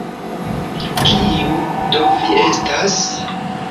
Kiu do vi estas?